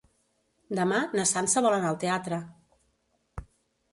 Demà na Sança vol anar al teatre.